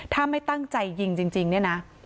ถ้าไม่ตั้งใจยิงจริงเนี่ยนะ